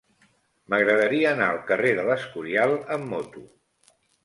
M'agradaria anar al carrer de l'Escorial amb moto.